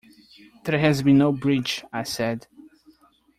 "There has been no breach," I said.